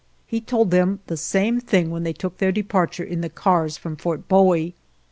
He told them the same thing when they took their departure in the cars from Fort Bowie.